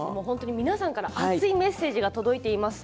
皆さんから熱いメッセージが届いています。